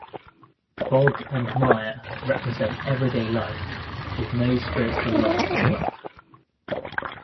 Bog and mire represent everyday life with no spiritual light from above.